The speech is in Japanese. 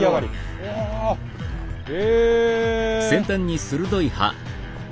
へえ。